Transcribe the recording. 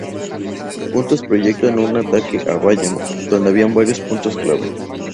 Juntos proyectan un ataque a Bayamo, donde había varios puntos clave.